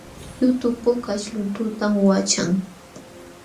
Yutu pukaśh luntutam waćhan